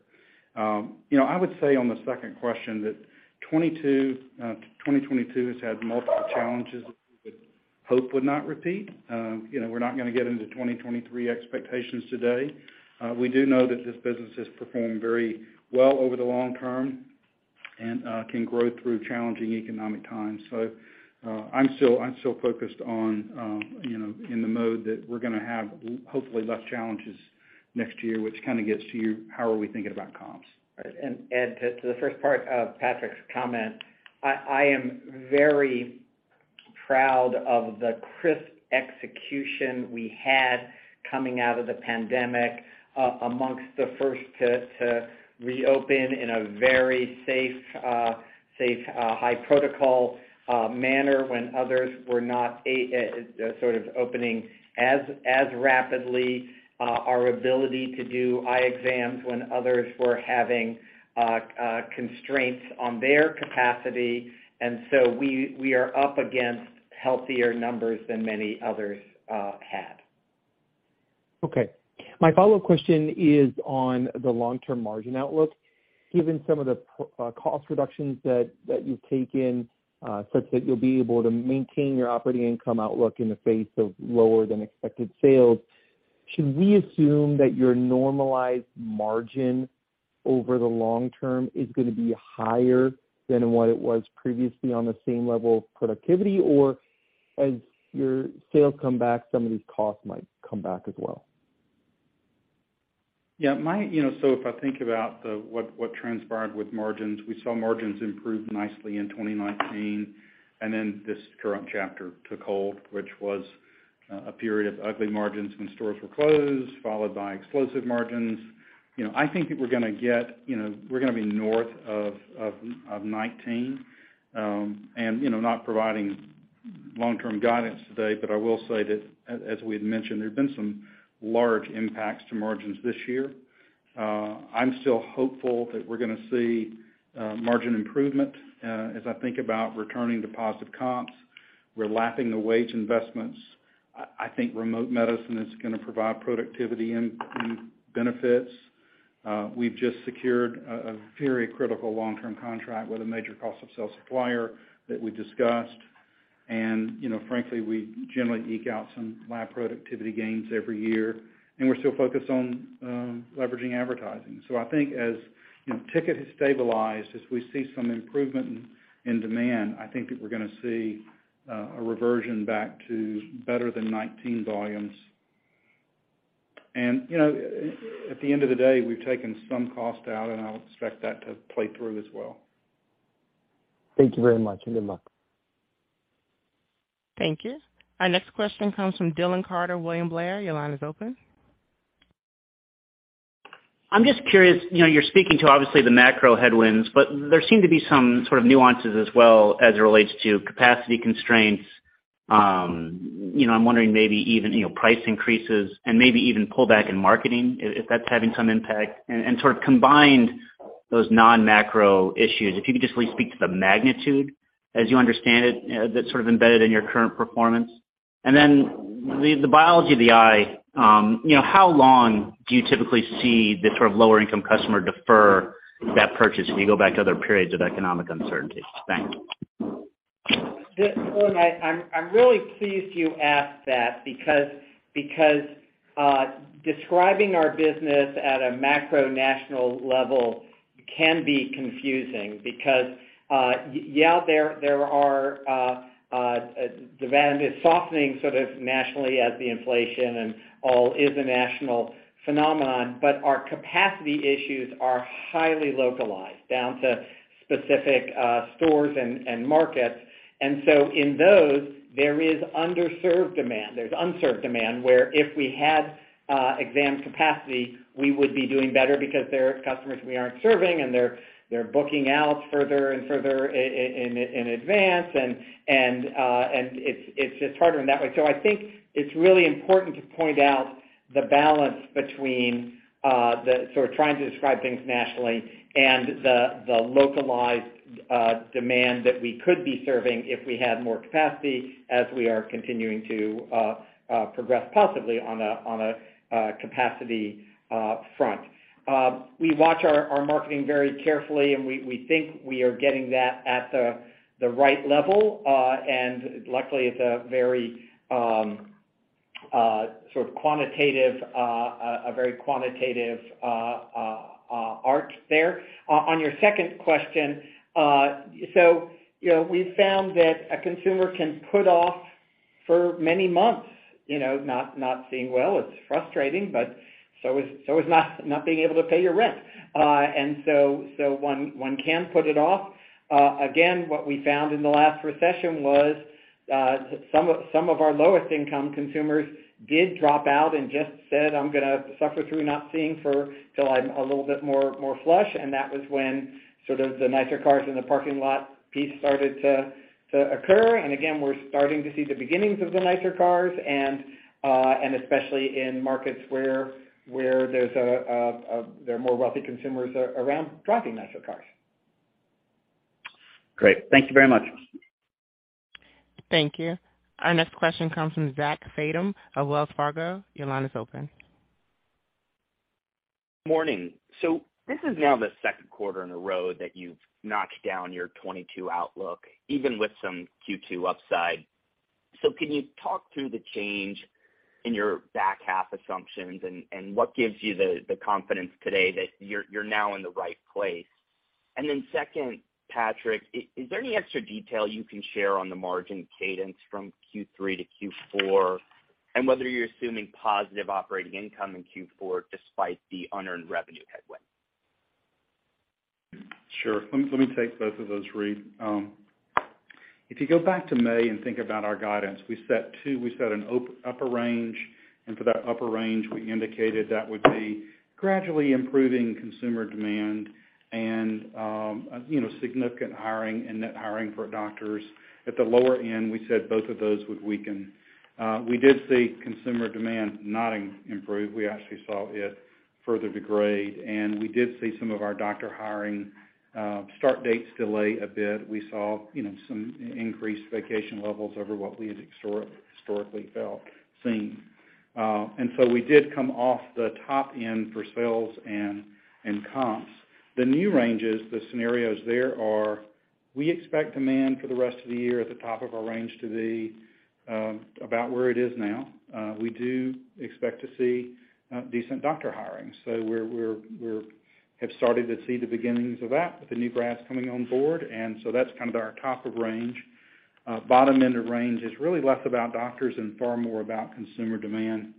[SPEAKER 4] You know, I would say on the second question that 2022 has had multiple challenges that we would hope would not repeat. You know, we're not gonna get into 2023 expectations today. We do know that this business has performed very well over the long-term and can grow through challenging economic times. I'm still focused on, you know, in the mode that we're gonna have hopefully less challenges next year, which kind of gets to your how are we thinking about comps.
[SPEAKER 3] To the first part of Patrick's comment, I am very proud of the crisp execution we had coming out of the pandemic amongst the first to reopen in a very safe, high protocol manner when others were not sort of opening as rapidly. Our ability to do eye exams when others were having constraints on their capacity. We are up against healthier numbers than many others had.
[SPEAKER 9] Okay. My follow-up question is on the long-term margin outlook. Given some of the cost reductions that you've taken, such that you'll be able to maintain your operating income outlook in the face of lower than expected sales, should we assume that your normalized margin over the long-term is gonna be higher than what it was previously on the same level of productivity? Or as your sales come back, some of these costs might come back as well?
[SPEAKER 4] If I think about what transpired with margins, we saw margins improve nicely in 2019, and then this current chapter took hold, which was a period of ugly margins when stores were closed, followed by explosive margins. You know, I think that we're gonna get, you know, we're gonna be north of 19%. You know, not providing long-term guidance today, but I will say that as we had mentioned, there have been some large impacts to margins this year. I'm still hopeful that we're gonna see margin improvement. As I think about returning to positive comps, we're lapping the wage investments. I think remote medicine is gonna provide productivity in benefits. We've just secured a very critical long-term contract with a major cost of sales supplier that we discussed. You know, frankly, we generally eke out some lab productivity gains every year, and we're still focused on leveraging advertising. I think as you know, ticket has stabilized, as we see some improvement in demand, I think that we're gonna see a reversion back to better than 2019 volumes. You know, at the end of the day, we've taken some cost out, and I'll expect that to play through as well.
[SPEAKER 9] Thank you very much, and good luck.
[SPEAKER 1] Thank you. Our next question comes from Dylan Carden, William Blair. Your line is open.
[SPEAKER 10] I'm just curious, you know, you're speaking to obviously the macro headwinds, but there seem to be some sort of nuances as well as it relates to capacity constraints. You know, I'm wondering maybe even, you know, price increases and maybe even pullback in marketing, if that's having some impact, and sort of combined those non-macro issues. If you could just really speak to the magnitude as you understand it, that's sort of embedded in your current performance. The biology of the eye, you know, how long do you typically see the sort of lower income customer defer that purchase if you go back to other periods of economic uncertainty? Thanks.
[SPEAKER 3] Dylan, I'm really pleased you asked that because describing our business at a macro national level can be confusing because demand is softening sort of nationally as the inflation and all is a national phenomenon. But our capacity issues are highly localized down to specific stores and markets. So in those, there is underserved demand. There's unserved demand where if we had exam capacity, we would be doing better because there are customers we aren't serving, and they're booking out further and further in advance. It's just harder in that way. I think it's really important to point out the balance between the sort of trying to describe things nationally and the localized demand that we could be serving if we had more capacity as we are continuing to progress positively on a capacity front. We watch our marketing very carefully, and we think we are getting that at the right level. And luckily, it's a very quantitative arc there. On your second question, you know, we've found that a consumer can put off for many months, you know, not seeing well. It's frustrating, but so is not being able to pay your rent. One can put it off. Again, what we found in the last recession was some of our lowest income consumers did drop out and just said, "I'm gonna suffer through not seeing for till I'm a little bit more flush." That was when sort of the nicer cars in the parking lot piece started to occur. Again, we're starting to see the beginnings of the nicer cars and especially in markets where there are more wealthy consumers around driving nicer cars.
[SPEAKER 10] Great. Thank you very much.
[SPEAKER 1] Thank you. Our next question comes from Zach Fadem of Wells Fargo. Your line is open.
[SPEAKER 11] Morning. This is now the second quarter in a row that you've notched down your 2022 outlook, even with some Q2 upside. Can you talk through the change in your back half assumptions and what gives you the confidence today that you're now in the right place? Second, Patrick, is there any extra detail you can share on the margin cadence from Q3 to Q4, and whether you're assuming positive operating income in Q4 despite the unearned revenue headwind?
[SPEAKER 4] Sure. Let me take both of those, Reade. If you go back to May and think about our guidance, we set two. We set an upper range, and for that upper range, we indicated that would be gradually improving consumer demand and significant hiring and net hiring for doctors. At the lower end, we said both of those would weaken. We did see consumer demand not improve. We actually saw it further degrade, and we did see some of our doctor hiring start dates delay a bit. We saw some increased vacation levels over what we had historically seen. We did come off the top end for sales and comps. The new ranges, the scenarios there are, we expect demand for the rest of the year at the top of our range to be about where it is now. We do expect to see decent doctor hiring. We have started to see the beginnings of that with the new grads coming on board, and that's kind of our top of range. Bottom end of range is really less about doctors and far more about consumer demand.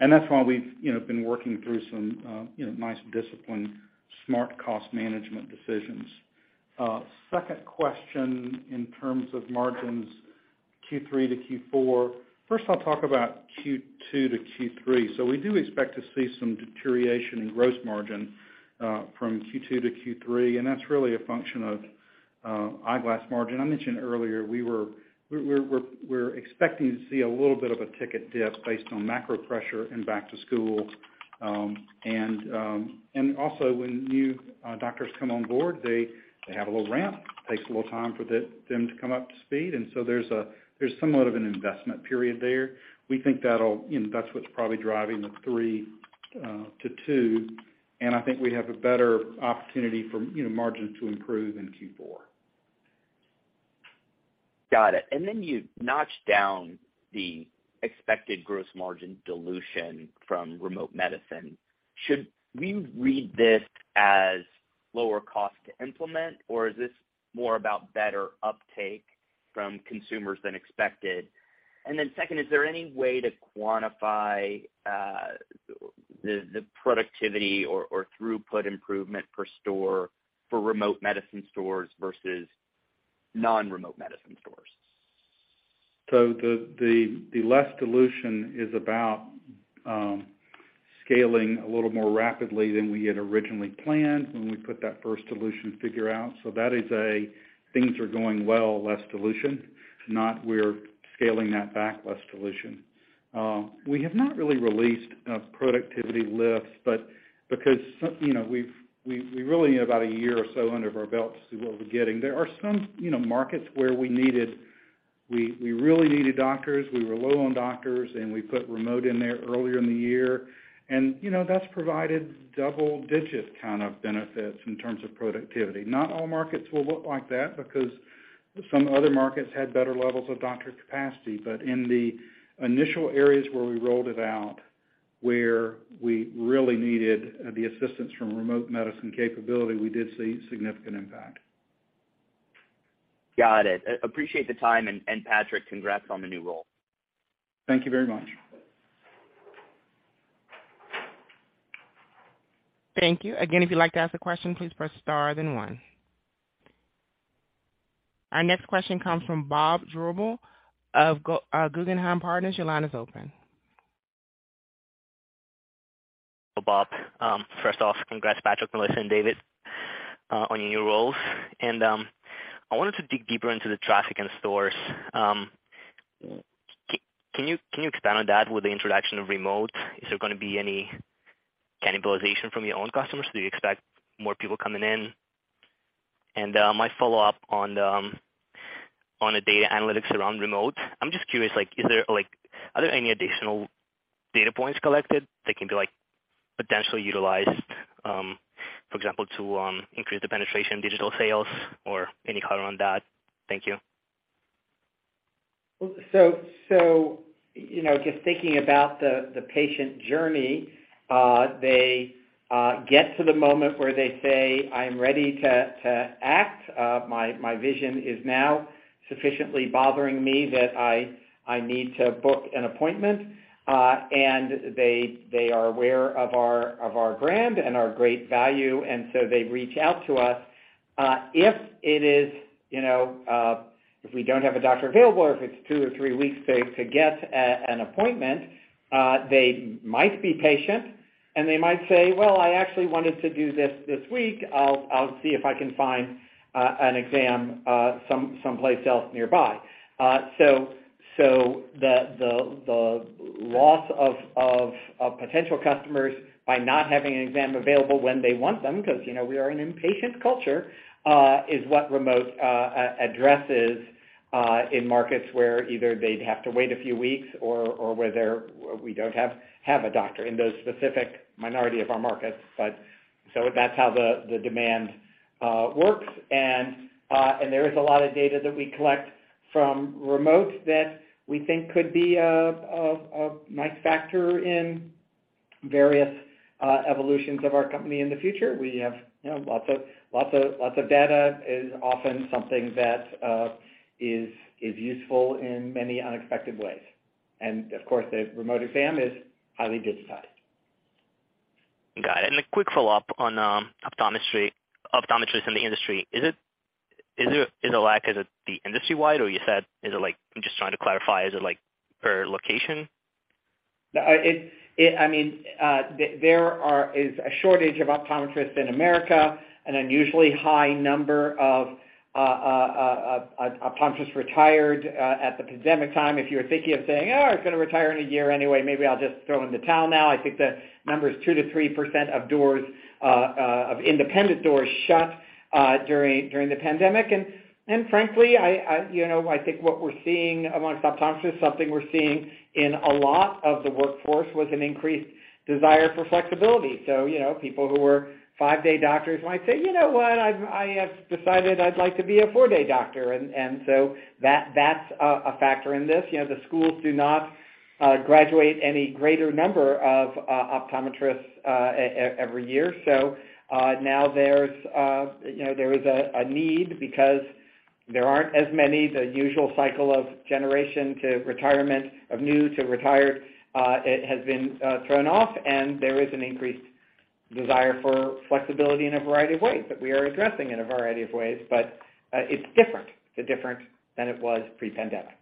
[SPEAKER 4] That's why we've, you know, been working through some, you know, nice discipline, smart cost management decisions. Second question in terms of margins, Q3 to Q4. First, I'll talk about Q2 to Q3. We do expect to see some deterioration in gross margin from Q2 to Q3, and that's really a function of eyeglass margin. I mentioned earlier we're expecting to see a little bit of a ticket dip based on macro pressure and back to school. Also when new doctors come on board, they have a little ramp. Takes a little time for them to come up to speed. There's somewhat of an investment period there. We think that'll, you know, that's what's probably driving the 3% to 2%, and I think we have a better opportunity for, you know, margins to improve in Q4.
[SPEAKER 11] Got it. Then you notched down the expected gross margin dilution from remote medicine. Should we read this as lower cost to implement, or is this more about better uptake from consumers than expected? Then second, is there any way to quantify the productivity or throughput improvement per store for remote medicine stores versus non-remote medicine stores?
[SPEAKER 4] The less dilution is about scaling a little more rapidly than we had originally planned when we put that first dilution figure out. That is, things are going well, less dilution. Not we're scaling that back, less dilution. We have not really released a productivity lift, but because we really need about a year or so under our belt to see what we're getting. There are some markets where we needed. We really needed doctors. We were low on doctors, and we put remote in there earlier in the year. You know, that's provided double-digit kind of benefits in terms of productivity. Not all markets will look like that because some other markets had better levels of doctor capacity. In the initial areas where we rolled it out, where we really needed the assistance from remote medicine capability, we did see significant impact.
[SPEAKER 11] Got it. Appreciate the time, and Patrick, congrats on the new role.
[SPEAKER 4] Thank you very much.
[SPEAKER 1] Thank you. Again, if you'd like to ask a question, please press star then one. Our next question comes from Bob Drbul of Guggenheim Partners. Your line is open.
[SPEAKER 12] Bob, first off, congrats Patrick, Melissa, and David, on your new roles. I wanted to dig deeper into the traffic in stores. Can you expand on that with the introduction of remote? Is there gonna be any cannibalization from your own customers? Do you expect more people coming in? My follow-up on the data analytics around remote. I'm just curious, like, is there, like, are there any additional data points collected that can be, like, potentially utilized, for example, to, increase the penetration digital sales or any color on that? Thank you.
[SPEAKER 3] You know, just thinking about the patient journey, they get to the moment where they say, "I'm ready to act. My vision is now sufficiently bothering me that I need to book an appointment." They are aware of our brand and our great value, and so they reach out to us. If, you know, we don't have a doctor available or if it's two or three weeks to get an appointment, they might be patient, and they might say, "Well, I actually wanted to do this this week. I'll see if I can find an exam someplace else nearby." The loss of potential customers by not having an exam available when they want them, 'cause, you know, we are an impatient culture, is what remote addresses in markets where either they'd have to wait a few weeks or where we don't have a doctor in those specific minority of our markets. That's how the demand works. There is a lot of data that we collect from remote that we think could be a nice factor in various evolutions of our company in the future. We have, you know, lots of data is often something that is useful in many unexpected ways. Of course, the remote exam is highly digitized.
[SPEAKER 12] Got it. A quick follow-up on optometrists in the industry. Is it the lack, is it industry-wide or is it like per location? I'm just trying to clarify.
[SPEAKER 3] I mean, there is a shortage of optometrists in America, an unusually high number of optometrists retired at the pandemic time. If you were thinking of saying, "Oh, I was gonna retire in a year anyway, maybe I'll just throw in the towel now," I think the number is 2%-3% of doors of independent doors shut during the pandemic. Frankly, you know, I think what we're seeing among optometrists, something we're seeing in a lot of the workforce, was an increased desire for flexibility. You know, people who were five-day doctors might say, "You know what? I have decided I'd like to be a four-day doctor." That's a factor in this. You know, the schools do not graduate any greater number of optometrists every year. Now there's, you know, there is a need because there aren't as many. The usual cycle of generation to retirement, of new to retired, it has been thrown off, and there is an increased desire for flexibility in a variety of ways that we are addressing in a variety of ways. It's different. It's different than it was pre-pandemic.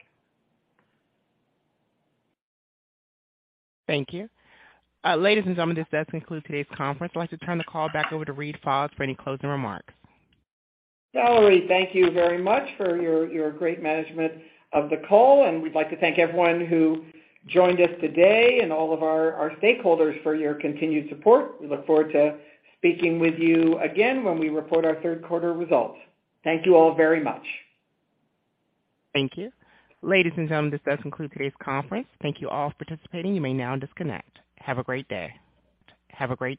[SPEAKER 1] Thank you. Ladies and gentlemen, this does conclude today's conference. I'd like to turn the call back over to Reade Fahs for any closing remarks.
[SPEAKER 3] Valerie, thank you very much for your great management of the call, and we'd like to thank everyone who joined us today and all of our stakeholders for your continued support. We look forward to speaking with you again when we report our third quarter results. Thank you all very much.
[SPEAKER 1] Thank you. Ladies and gentlemen, this does conclude today's conference. Thank you all for participating. You may now disconnect. Have a great day. Have a great day.